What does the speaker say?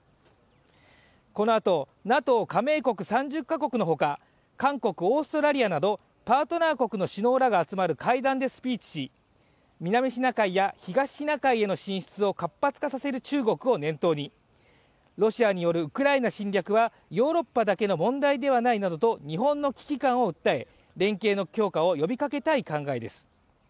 このあと、ＮＡＴＯ加盟国３０カ国の他韓国、オーストラリアなどパートナー国の首脳らが集まる会談でスピーチし南シナ海や東シナ海への進出を活発化させる中国を念頭にロシアによるウクライナ侵攻はヨーロッパだけの問題ではないなどと日本の危機感を訴え、連携の強化を呼びかけたい考えです。